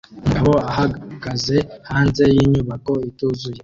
Umugabo ahagaze hanze yinyubako ituzuye